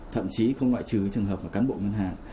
thậm chí không ngoại trừ trường hợp cắn bộ ngân hàng